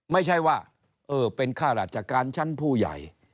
ไม่ใช่ว่าเป็นข้าราชการชั้นผู้ใหญ่